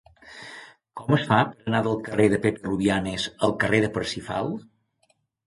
Com es fa per anar del carrer de Pepe Rubianes al carrer de Parsifal?